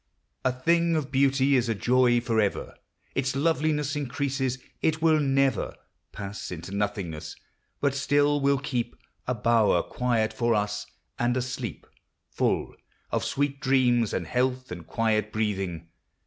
A thing of beauty is a joy forever : Its loveliness increases ; it will never Pass into nothingness ; but still will keep A bower quiet for us, and a sleep Full of sweet dreams, and health, and quiet breathing.